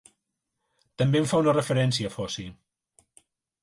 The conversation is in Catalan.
També en fa una referència Foci.